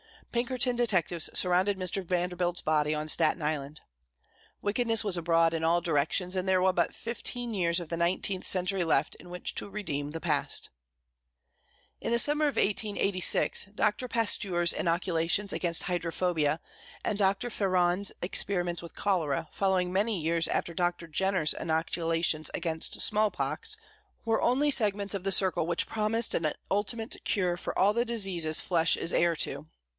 Pinkerton detectives surrounded Mr. Vanderbilt's body on Staten Island. Wickedness was abroad in all directions, and there were but fifteen years of the nineteenth century left in which to redeem the past. In the summer of 1886, Doctor Pasteur's inoculations against hydrophobia, and Doctor Ferron's experiments with cholera, following many years after Doctor Jenner's inoculations against small pox, were only segments of the circle which promised an ultimate cure for all the diseases flesh is heir to.